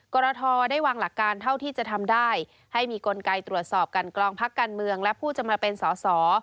กรทได้วางหลักการเท่าที่จะทำได้ให้มีกลไกตรวจสอบกันกรองพักการเมืองและผู้จะมาเป็นสอสอ